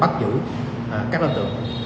bắt giữ các đối tượng